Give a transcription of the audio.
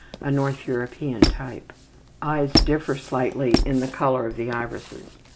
A North European type. Eyes differ slightly in the color of the irides.